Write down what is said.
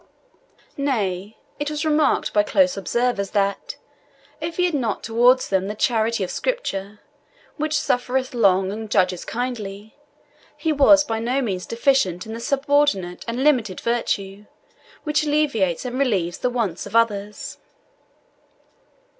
Nay, it was remarked by close observers that, if he had not towards them the charity of Scripture, which suffereth long, and judges kindly, he was by no means deficient in the subordinate and limited virtue, which alleviates and relieves the wants of others.